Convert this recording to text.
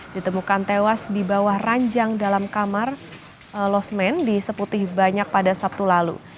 ditemukan tewas di bawah ranjang dalam kamar losmen di seputih banyak pada sabtu lalu